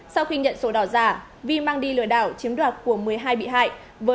sau khi nhận sổ đỏ giả vi mang đi lừa đảo chiếm đoạt của một mươi hai bị hại